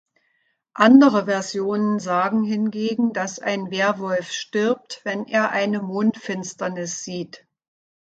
Andere Versionen sagen hingegen, dass ein Werwolf stirbt, wenn er eine Mondfinsternis sieht.